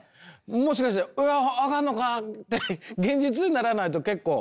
もしかしてわあ上がるのかって現実にならないと結構。